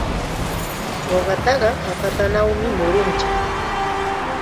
Uqataqa papatanawmi murunchik.